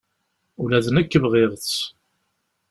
Ula d nekk bɣiɣ-tt.